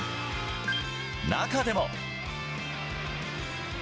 中でも。